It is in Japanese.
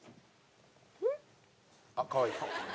「あっかわいい」